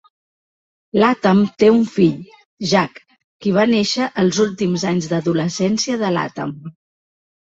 Latham té un fill, Jack, qui va néixer els últims anys d'adolescència de Latham.